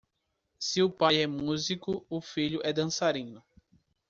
Se o pai é músico, o filho é dançarino.